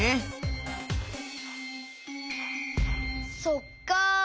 そっか。